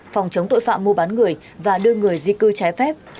phòng chống tội phạm mua bán người và đưa người di cư trái phép